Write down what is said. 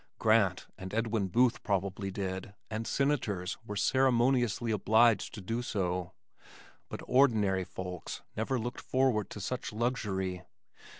Grant and Edwin Booth probably did, and senators were ceremonially obliged to do so, but ordinary folks never looked forward to such luxury.